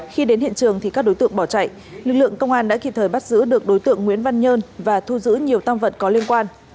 khi đến hiện trường thì các đối tượng bỏ chạy lực lượng công an đã kịp thời bắt giữ được đối tượng nguyễn văn nhơn và thu giữ nhiều tam vật có liên quan